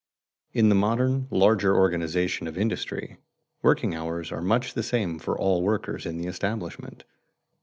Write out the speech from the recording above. In the modern larger organization of industry, working hours are much the same for all workers in the establishment.